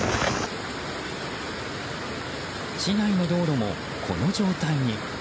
市内の道路もこの状態に。